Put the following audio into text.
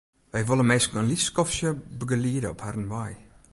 Wy wolle minsken in lyts skoftsje begeliede op harren wei.